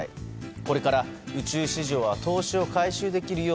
これから宇宙市場は投資を回収できるよう